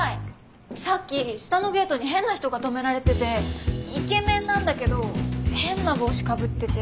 さっき下のゲートに変な人が止められててイケメンなんだけど変な帽子かぶってて。